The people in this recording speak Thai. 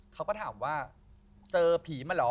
เขาก็ถามว่าเจอผีมาเหรอ